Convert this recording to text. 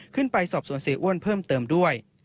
ขึ้นไปสอบสวนเสียอ้วนเพิ่มเติมด้วย